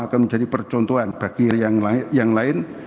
akan menjadi percontohan bagi yang lain